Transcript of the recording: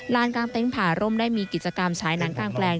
กลางเต็งผ่าร่มได้มีกิจกรรมฉายหนังกลางแปลง